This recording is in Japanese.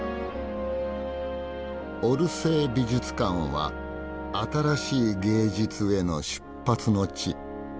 オルセー美術館は新しい芸術への出発の地。